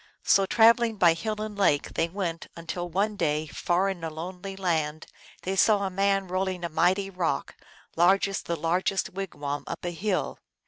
So traveling by hill and lake, they went, until one day, far in a lonely land, they saw a man rolling a mighty rock, large as the largest wigwam, up a hill.